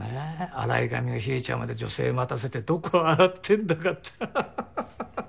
洗い髪が冷えちゃうまで女性待たせてどこ洗ってんだかってははははっ。